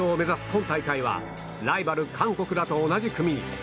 今大会はライバル韓国らと同じ組に。